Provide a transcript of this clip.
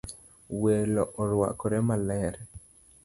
Welo orwakore maler